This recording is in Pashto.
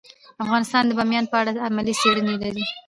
افغانستان د بامیان په اړه علمي څېړنې لري.